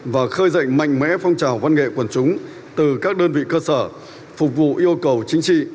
và khơi dậy mạnh mẽ phong trào văn nghệ quần chúng từ các đơn vị cơ sở phục vụ yêu cầu chính trị